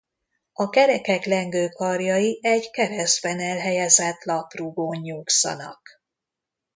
A kerekek lengőkarjai egy keresztben elhelyezett laprugón nyugszanak.